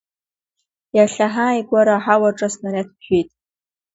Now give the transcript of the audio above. Иахьа ҳааигәара аҳауаҿы аснариад ԥжәеит.